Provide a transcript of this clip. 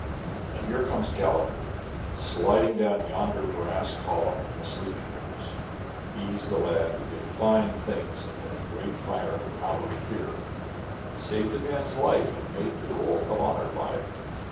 And here comes Gallagher, sliding down yonder brass column from the sleeping rooms. He's the lad who did fine things in that great fire at the Mallory pier saved a man's life and made the roll of honor by it.